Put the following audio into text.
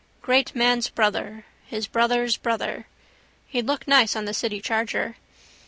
Great man's brother: his brother's brother. He'd look nice on the city charger.